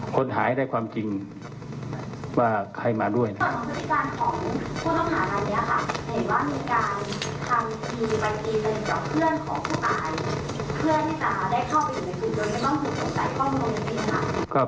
คนหายได้ความจริงว่าใครมาด้วยนะครับ